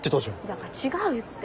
だから違うって。